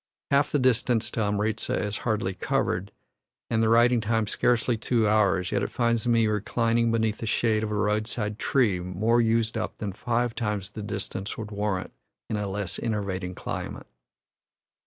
Half the distance to Amritza is hardly covered, and the riding time scarcely two hours, yet it finds me reclining beneath the shade of a roadside tree more used up than five times the distance would warrant in a less enervating climate.